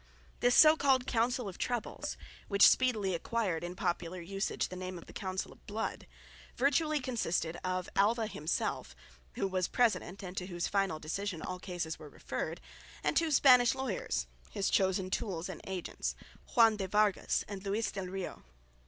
This so called Council of Troubles, which speedily acquired in popular usage the name of the Council of Blood, virtually consisted of Alva himself, who was president and to whose final decision all cases were referred, and two Spanish lawyers, his chosen tools and agents, Juan de Vargas and Louis del Rio.